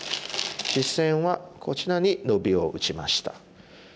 実戦はこちらにノビを打ちました。